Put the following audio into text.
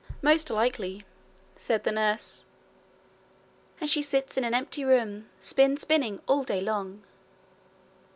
'Most likely,' said the nurse. 'And she sits in an empty room, spin spinning all day long.'